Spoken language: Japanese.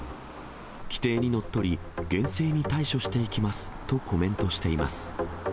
規定にのっとり、厳正に対処していきますとコメントしています。